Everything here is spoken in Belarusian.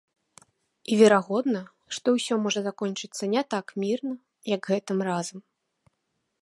І верагодна, што ўсё можа закончыцца не так мірна, як гэтым разам.